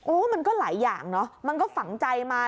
มันก็หลายอย่างเนอะมันก็ฝังใจมา